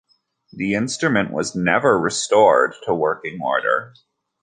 The instrument was never restored to working order.